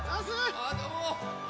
あどうも！